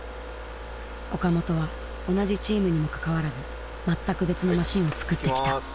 岡本は同じチームにもかかわらず全く別のマシンを作ってきた。